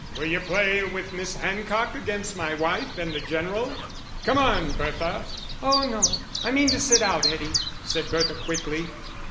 Will you play with Miss Hancock against my wife and the General? Come on, Bertha." "Oh no, I mean to sit out, Eddie," said Bertha, quickly.